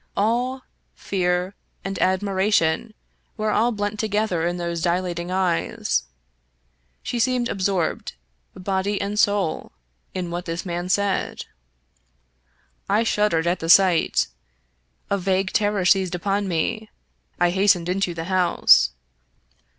Awe, fear, and admiration were all blent together in those dilating eyes. She seemed ab sorbed, body and soul, in what this man said. I shuddered at the sight. A vague terror seized upon me; I hastened into the house.